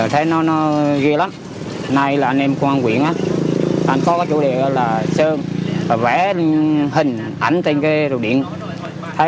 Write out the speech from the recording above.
trên địa bàn huyện và công ty điện lực ba tơ